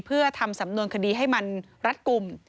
เพื่อทำสำนวนคดีให้มันรัดกลุ่ม